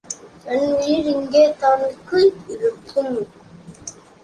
என் உயிர் இங்கேயேதானுங்க இருக்கும்!.